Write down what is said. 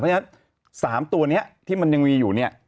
เพราะฉะนั้น๓ตัวนี้ที่มันยังมีอยู่เนี่ย